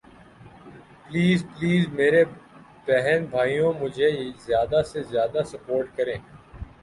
please please میرے بہن بھائیوں مجھے زیادہ سے زیادہ سپورٹ کریں